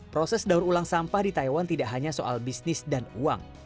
proses daur ulang sampah di taiwan tidak hanya soal bisnis dan uang